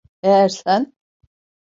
Eğer sen…